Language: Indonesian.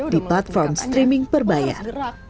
di platform streaming berbayar